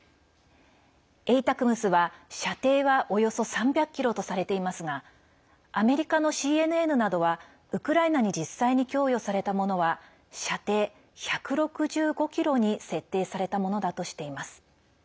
ＡＴＡＣＭＳは射程は、およそ３００ｋｍとされていますがアメリカのＣＮＮなどはウクライナに実際に供与されたものは射程１６５ｋｍに設定されたものだとしています。